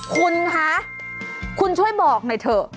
คุณคะช่วยโบกเลยเถอะ